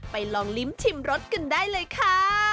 ลองลิ้มชิมรสกันได้เลยค่ะ